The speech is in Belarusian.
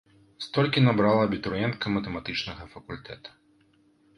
Столькі набрала абітурыентка матэматычнага факультэта.